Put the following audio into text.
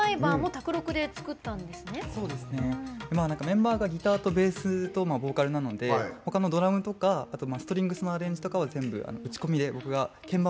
メンバーがギターとベースとボーカルなのでほかのドラムとかストリングスのアレンジとかは全部打ち込みで僕が鍵盤を使って作ってます。